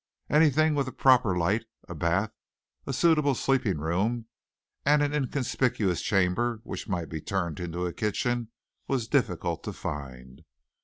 Anything with a proper light, a bath, a suitable sleeping room, and an inconspicuous chamber which might be turned into a kitchen, was difficult to find.